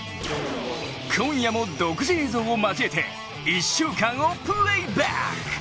今夜も独自映像を交えて１週間をプレーバック。